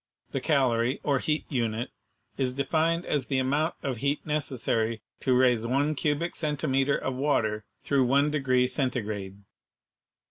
The calorie, or heat unit, is defined as the amount of heat necessary to raise one cubic centimeter of water through one degree Centigrade.